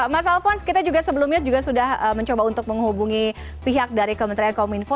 mas alphonse kita juga sebelumnya juga sudah mencoba untuk menghubungi pihak dari kementerian kominfo